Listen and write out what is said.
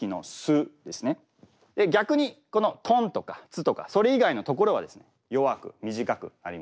逆にこの「とん」とか「つ」とかそれ以外の所はですね弱く短くなりますので。